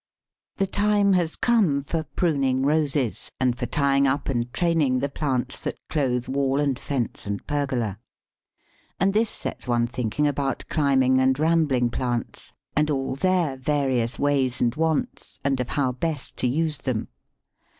The time has come for pruning Roses, and for tying up and training the plants that clothe wall and fence and pergola. And this sets one thinking about climbing and rambling plants, and all their various ways and wants, and of how best to use them.